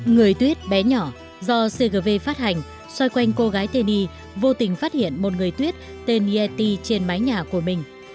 người tuyết bé nhỏ do cgv phát hành xoay quanh cô gái tên y vô tình phát hiện một người tuyết tên yeti trên mái nhà của mình